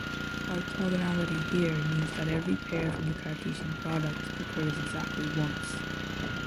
Orthogonality here means that every pair from the Cartesian product occurs exactly once.